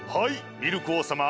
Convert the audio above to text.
ミルクおうさま